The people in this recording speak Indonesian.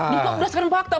bukan berdasarkan fakta